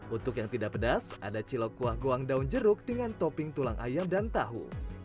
untuk yang tidak pedas ada cilok kuah goang daun jeruk dengan topping tulang ayam dan tahu